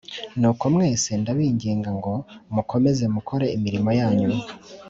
Nuko mwese ndabinginga ngo mukomeze mukore imirimo yanyu